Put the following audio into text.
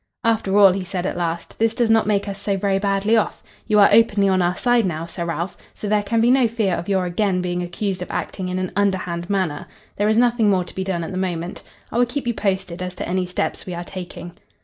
"After all," he said at last, "this does not make us so very badly off. You are openly on our side now, Sir Ralph, so there can be no fear of your again being accused of acting in an underhand manner. There is nothing more to be done at the moment. I will keep you posted as to any steps we are taking."